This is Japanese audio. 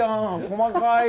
細かい。